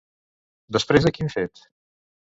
Després de quin fet?